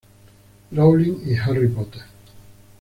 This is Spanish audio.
Rowling y Harry Potter.